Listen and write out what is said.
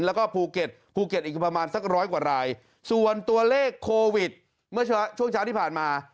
แล้วก็ภูเก็ตภูเก็ตอีกประมาณสักร้อยกว่ารายส่วนตัวเลขโควิดเมื่อช่วงเช้าที่ผ่านมา